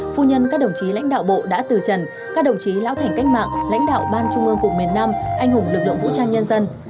phu nhân các đồng chí lãnh đạo bộ đã từ trần các đồng chí lão thành cách mạng lãnh đạo ban trung ương cục miền nam anh hùng lực lượng vũ trang nhân dân